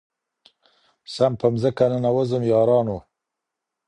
سم په مځكه ننوځم يارانـــو